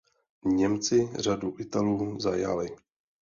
Němci řadu Italů zajali.